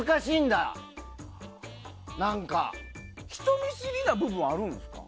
人見知りな部分あるんですか？